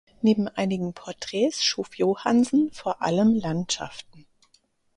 Neben einigen Porträts schuf Johansen vor allem Landschaften.